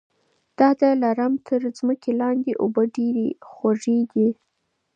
د دلارام تر مځکې لاندي اوبه ډېري خوږې دي